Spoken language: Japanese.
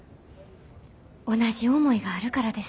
同じ思いがあるからです。